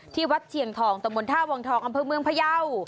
ที่วัดเฉียงทองตมวลท่าวองทองอำเภอเมืองพระเยาท์